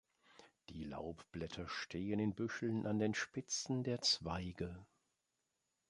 Die Laubblätter stehen in Büscheln an den Spitzen der Zweige.